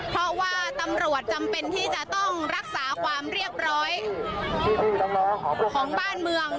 เพราะว่าตำรวจจำเป็นที่จะต้องรักษาความเรียบร้อยของบ้านเมือง